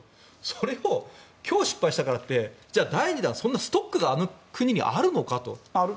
それを今日失敗したからってじゃあ第２弾、そんなストックがあの国にあるのかと。